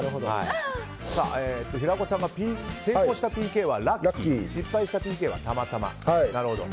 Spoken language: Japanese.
平子さんが成功したＰＫはラッキー失敗したＰＫは、たまたま。